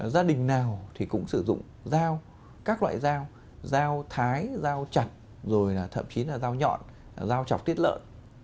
gia đình nào thì cũng sử dụng dao các loại dao dao thái dao chặt rồi là thậm chí là dao nhọn dao chọc tiết lợn